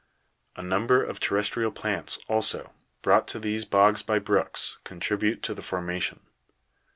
A number of ter restrial plants also, brought to these bogs by brooks, contribute to the forma tion.